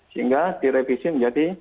sehingga direvisi menjadi